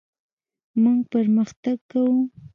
موږ پرمختګ کوو.